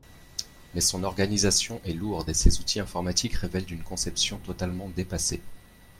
Mais son organisation est lourde et ses outils informatiques relèvent d’une conception totalement dépassée.